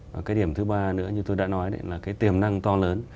và cái điểm thứ ba nữa như tôi đã nói đấy là cái tiềm năng to lớn